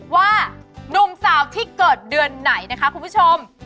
หนุ่มสาวที่เกิดเดือนไหนนะคะคุณผู้ชม